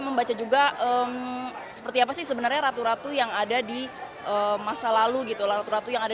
membaca juga seperti apa sih sebenarnya ratu ratu yang ada di masa lalu gitu ratu ratu yang ada